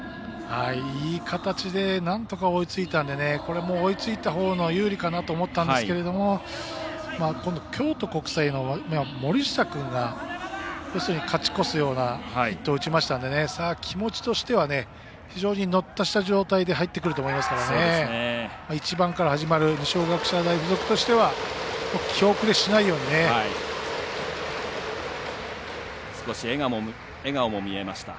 いい形でなんとか追いついたんでねこれも追いついたほうの有利かなと思ったんですけど今度、京都国際の森下君が要するに勝ち越すようなヒットを打ちましたんで気持ちとしては非常に乗った状態で入ってくると思いますから１番から始まる二松学舎大付属としては少し笑顔も見えました。